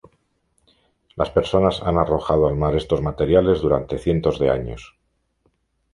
Las personas han arrojado al mar estos materiales durante cientos de años.